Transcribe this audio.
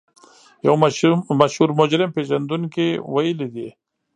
يو مشهور مجرم پېژندونکي ويلي دي.